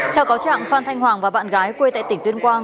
theo cáo trạng phan thanh hoàng và bạn gái quê tại tỉnh tuyên quang